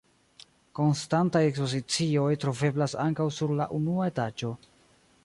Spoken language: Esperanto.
Konstantaj ekspozicioj troveblas ankaŭ sur la unua etaĝo.